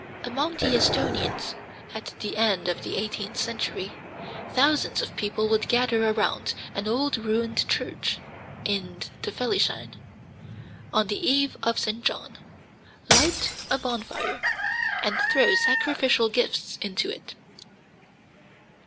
Among the Ehstonians, at the end of the eighteenth century, thousands of persons would gather around an old ruined church (in the Fellinschen) on the Eve of St. John, light a bonfire, and throw sacrificial gifts into it.